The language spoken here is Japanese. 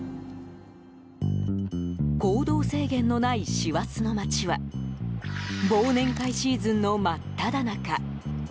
行動制限のない師走の街は忘年会シーズンの真っただ中。